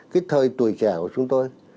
cái thời tuổi trẻ của chúng tôi